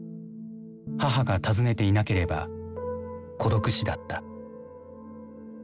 母が訪ねていなければ孤独死だった。